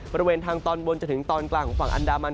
บริเวณทางตอนบนจนถึงตอนกลางของฝั่งอันดามัน